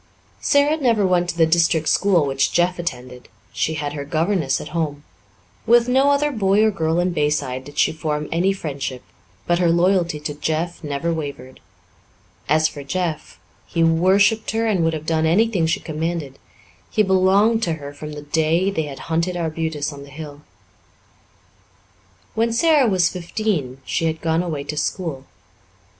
Sara never went to the district school which Jeff attended; she had her governess at home. With no other boy or girl in Bayside did she form any friendship, but her loyalty to Jeff never wavered. As for Jeff, he worshipped her and would have done anything she commanded. He belonged to her from the day they had hunted arbutus on the hill. When Sara was fifteen she had gone away to school.